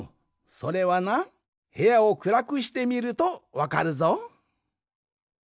それはなへやをくらくしてみるとわかるぞ。